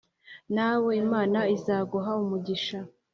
nawe Imana izaguha umugisha